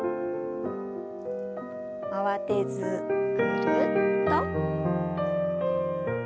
慌てずぐるっと。